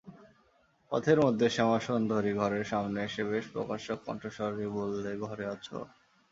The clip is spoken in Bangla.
পথের মধ্যে শ্যামাসুন্দরী ঘরের সামনে এসে বেশ প্রকাশ্য কণ্ঠস্বরেই বললে, ঘরে আছ?